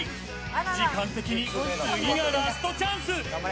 時間的に次がラストチャンス。